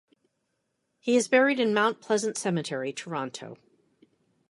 He is buried in Mount Pleasant Cemetery, Toronto.